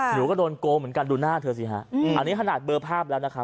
หนูก็โดนโกงเหมือนกันดูหน้าเธอสิฮะอันนี้ขนาดเบอร์ภาพแล้วนะครับ